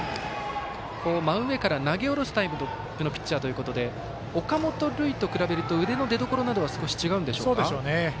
真上から投げ下ろすタイプのピッチャーということで岡本琉奨と比べると腕の出どころはそうでしょうね。